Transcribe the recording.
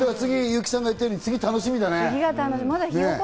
優木さんが言ったように楽しみだね。